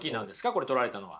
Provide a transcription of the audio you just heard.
これ撮られたのは。